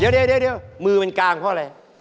เดี๋ยวมือมันกางเพราะอะไร